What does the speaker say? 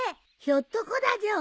ひょっとこだじょ。